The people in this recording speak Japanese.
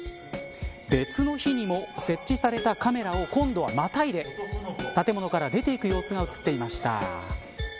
別の日にも、設置されたカメラを今度は、またいで建物から出ていく様子が映っていました。